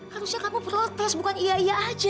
harusnya kamu protes bukan iya iya aja